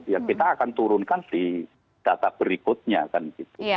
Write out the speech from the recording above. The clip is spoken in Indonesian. ya kita akan turunkan di data berikutnya kan gitu